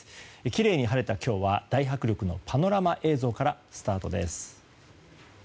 きれいに晴れた今日は大迫力のパノラマ映像からスタートです。